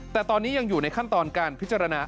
แต่ตอนนี้ยังอยู่ในขั้นตอนการพิจารณา